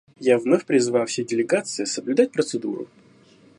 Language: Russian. Я вновь призываю все делегации соблюдать процедуру.